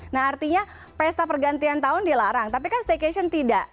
nah artinya pesta pergantian tahun dilarang tapi kan staycation tidak